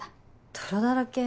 泥だらけ。